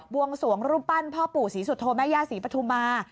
บวงสวงรุ้นปั้นพ่อปู่ศรีสุทธโมยาศรีปฐุมา